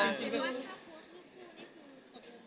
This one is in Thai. จริงหรือว่าถ้าโพสต์ลูกคู่นี่คือ